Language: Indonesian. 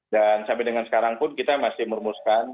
dan sampai dengan sekarang pun kita masih merumuskan